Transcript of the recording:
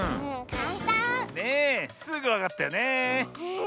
ねえすぐわかったよねえ。